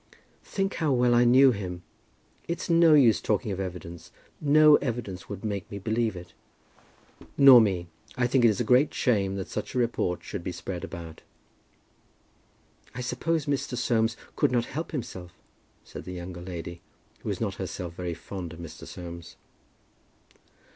"Think how well I knew him. It's no use talking of evidence. No evidence would make me believe it." "Nor me; and I think it a great shame that such a report should be spread about." "I suppose Mr. Soames could not help himself?" said the younger lady, who was not herself very fond of Mr. Soames.